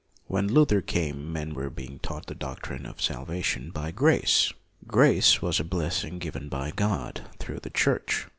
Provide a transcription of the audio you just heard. When Luther came, men were being taught the doctrine of salvation by grace. Grace was a blessing given by God through the Church.